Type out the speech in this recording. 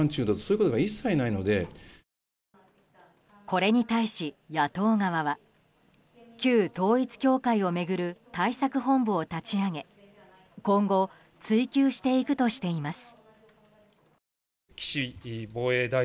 これに対し、野党側は旧統一教会を巡る対策本部を立ち上げ今後追及していくとしています。